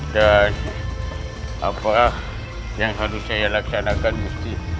dan apa yang harus saya laksanakan gusti